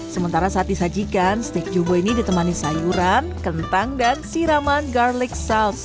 sementara saat disajikan steak jumbo ini ditemani sayuran kentang dan siraman garlic saus